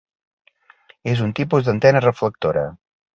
És un tipus d'antena reflectora.